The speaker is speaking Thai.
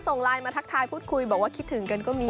ส่งไลน์มาทักทายพูดคุยบอกว่าคิดถึงกันก็มี